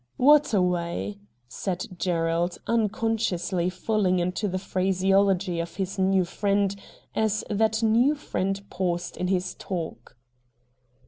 ' What away ?' said Gerald, unconsciously falling into the phraseology of his new friend as that new friend paused in his talk.